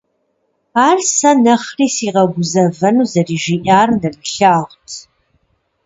Ар сэ нэхъри сигъэгузэвэну зэрыжиӀар нэрылъагъут.